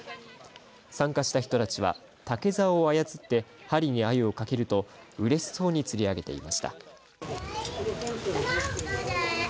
参加した人たちは竹ざおを操って針にアユを掛けると嬉しそうに釣り上げていました。